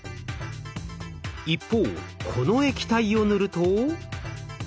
一方この液体を塗ると。